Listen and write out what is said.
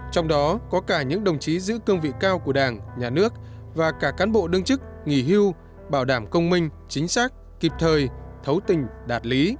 trong đó có cả những đồng chí giữ cương vị cao của đảng nhà nước và cả cán bộ đương chức nghỉ hưu bảo đảm công minh chính xác kịp thời thấu tình đạt lý